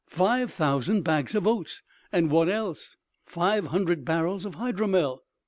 "Five thousand bags of oats." "And what else?" "Five hundred barrels of hydromel."